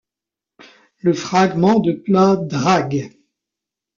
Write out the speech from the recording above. Le fragment de plat Drag.